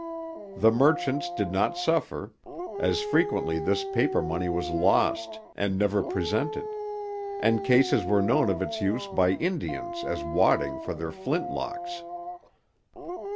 The merchants did not suffer, as frequently this paper money was lost, and never presented; and cases were known of its use by Indians as wadding for their flint locks.